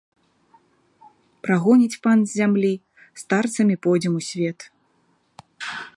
Прагоніць пан з зямлі, старцамі пойдзем у свет.